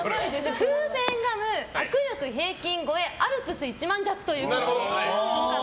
風船ガム、握力平均超え「アルプス一万尺」ということで。